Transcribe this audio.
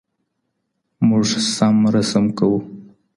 موږ سم رسم کوو.